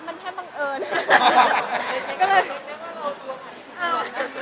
คิดว่าเราตัวผิวเข้มหรือเปล่า